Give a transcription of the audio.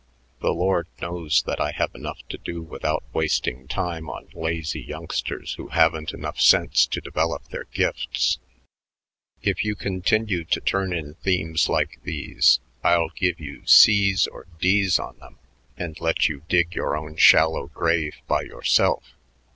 The Lord knows that I have enough to do without wasting time on lazy youngsters who haven't sense enough to develop their gifts. If you continue to turn in themes like these, I'll give you C's or D's on them and let you dig your own shallow grave by yourself.